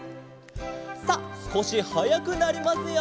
さあすこしはやくなりますよ。